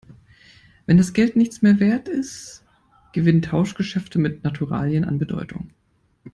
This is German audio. Wenn das Geld nichts mehr Wert ist, gewinnen Tauschgeschäfte mit Naturalien an Bedeutung.